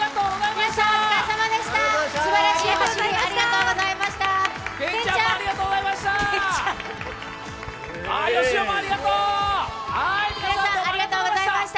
すばらしい走りありがとうございました！